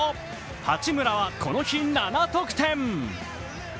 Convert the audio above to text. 八村はこの日、７得点。